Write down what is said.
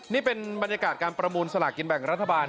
นี่เป็นบรรยากาศการประมูลสลากินแบ่งรัฐบาล